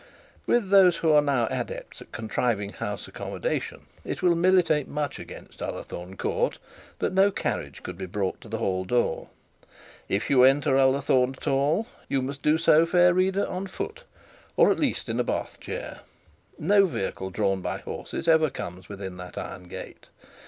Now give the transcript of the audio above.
With those who are now adept at contriving house accommodation, it will militate much against Ullathorne Court, that no carriage could be brought to the hall door. If you enter Ullathorne at all, you must do so, fair reader, on foot, or at least in a bath chair. No vehicle drawn by horses ever comes within that iron gate.